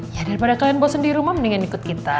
ya daripada kalian bosan di rumah mendingan ikut kita